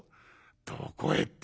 どこへって？